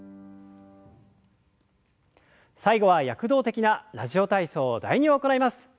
最後は躍動的な「ラジオ体操第２」を行います。